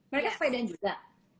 mereka sepedan juga